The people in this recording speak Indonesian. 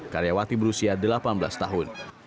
karyawati berusia delapan belas tahun